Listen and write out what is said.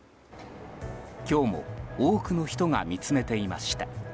今日も多くの人が見つめていました。